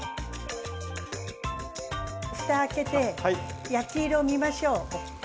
ふた開けて焼き色を見ましょう。